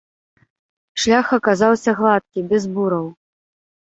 Шлях аказаўся гладкі, без бураў.